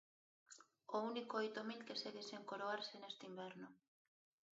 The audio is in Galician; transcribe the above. O único oito mil que segue sen coroarse neste inverno.